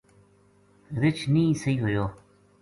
رچھ نیہہ سہی ہویو